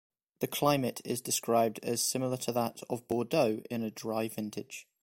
The climate is described as similar to that of Bordeaux in a dry vintage.